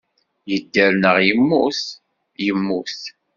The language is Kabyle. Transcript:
Idder neɣ immut? Immut.